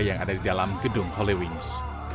yang ada di dalam gedung holy wings